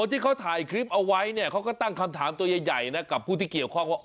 ที่เขาถ่ายคลิปเอาไว้เนี่ยเขาก็ตั้งคำถามตัวใหญ่นะกับผู้ที่เกี่ยวข้องว่า